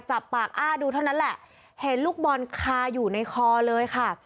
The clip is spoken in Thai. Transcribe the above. จับปากอ้าดูเท่านั้นแหละเห็นลูกบอลคาอยู่ในคอเลยค่ะ